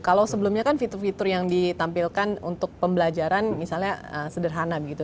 kalau sebelumnya kan fitur fitur yang ditampilkan untuk pembelajaran misalnya sederhana gitu